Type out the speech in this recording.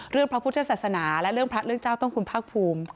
พระพุทธศาสนาและเรื่องพระเรื่องเจ้าต้องคุณภาคภูมิ